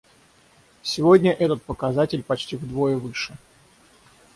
Сегодня этот показатель почти вдвое выше.